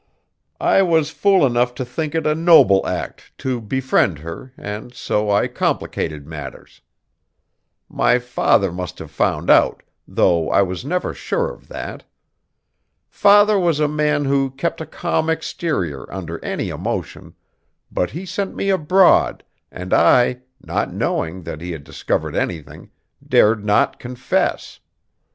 I was fool enough to think it a noble act to befriend her and so I complicated matters. My father must have found out, though I was never sure of that. Father was a man who kept a calm exterior under any emotion; but he sent me abroad, and I, not knowing that he had discovered anything, dared not confess.